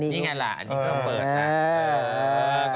นี่ไงล่ะอันนี้ก็เปิดค่ะ